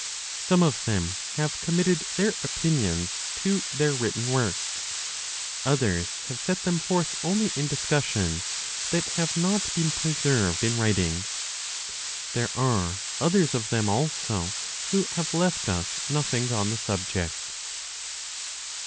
Some of them have committed their opinions to their written works; others have set them forth only in discussions that have not been preserved in writing. There are others of them, also, who have left us nothing on the subject.